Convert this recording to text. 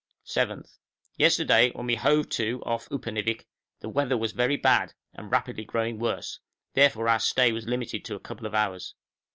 7th. Yesterday, when we hove to off Upernivik, the weather was very bad and rapidly growing worse, therefore our stay was limited to a couple of hours.